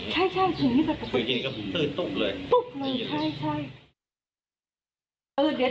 คือจริงคือตุ๊บเลย